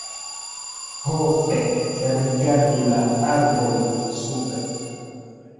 Ho fek! Rigardu la arbojn sube